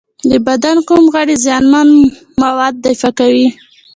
د بدن کوم غړي زیانمن مواد دفع کوي؟